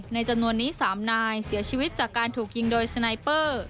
จำนวนนี้๓นายเสียชีวิตจากการถูกยิงโดยสไนเปอร์